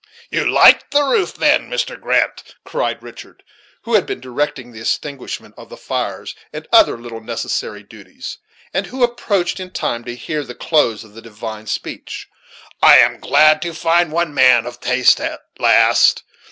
"You like the roof, then, Mr. Grant," cried Richard, who had been directing the extinguishment of the fires and other little necessary duties, and who approached in time to hear the close of the divine's speech. "I am glad to find one man of taste at last.